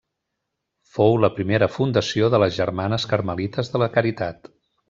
Fou la primera fundació de les Germanes Carmelites de la Caritat.